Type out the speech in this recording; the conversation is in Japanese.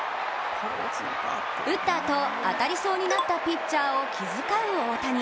打ったあと、当たりそうになったピッチャーを気遣う大谷。